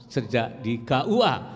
sejak di kua